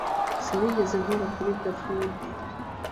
Sinigeze nkora kuri David